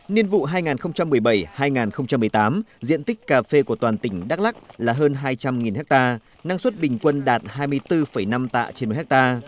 nhiên vụ hai nghìn một mươi bảy hai nghìn một mươi tám diện tích cà phê của toàn tỉnh đắk lắc là hơn hai trăm linh ha năng suất bình quân đạt hai mươi bốn năm tạ trên một ha